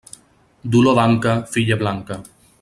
Dolor d'anca, filla blanca.